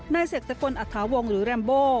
เสกสกลอัฐาวงศ์หรือแรมโบ